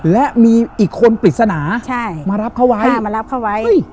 และมีอีกคนปริศนามารับเขาไว้